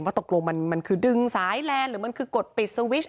ตกลงมันคือดึงสายแลนด์หรือมันคือกดปิดสวิช